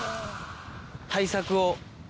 対策を。